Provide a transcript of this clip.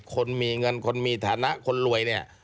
คนมีเงินคนมีฐานะคนรวยเนี่ย